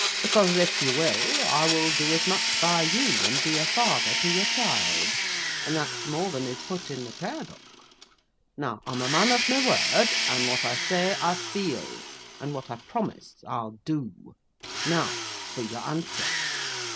Because if you will, I will do as much by you, and be a father to your child—and that's more than is put in the prayer book. Now, I'm a man of my word; and what I say, I feel; and what I promise, I'll do. Now, for your answer!"